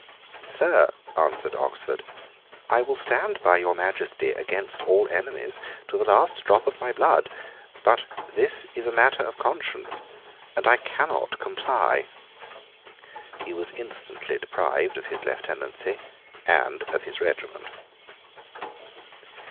"Sir," answered Oxford, "I will stand by your Majesty against all enemies to the last drop of my blood. But this is matter of conscience, and I cannot comply." He was instantly deprived of his lieutenancy and of his regiment.